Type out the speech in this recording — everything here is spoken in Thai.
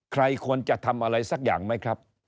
ใครควรจะทำอะไรสักอย่างไหมครับ